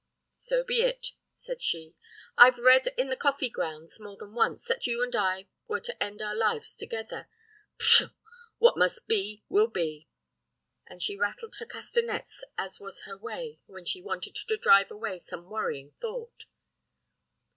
"'So be it,' said she. 'I've read in the coffee grounds, more than once, that you and I were to end our lives together. Pshaw! what must be, will be!' and she rattled her castanets, as was her way when she wanted to drive away some worrying thought.